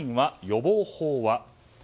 予防法は？